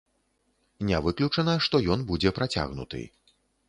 Не выключана, што ён будзе працягнуты.